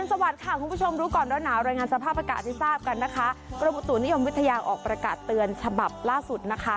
ทราบกันนะคะกรมประตูนิยมวิทยาออกประกาศเตือนฉบับล่าสุดนะคะ